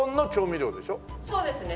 そうですね。